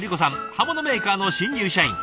刃物メーカーの新入社員。